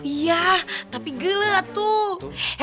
iya tapi gelet tuh